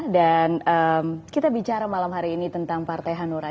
dan kita bicara malam hari ini tentang partai hanura